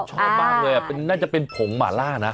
ชอบมากเลยน่าจะเป็นผงหมาล่านะ